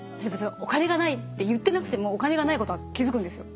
お金がないって言ってなくてもお金がないことは気付くんですよ。